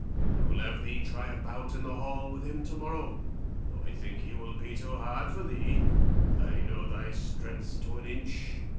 I will have thee try a bout in the hall with him to morrow, though I think he will be too hard for thee. I know thy strength to an inch."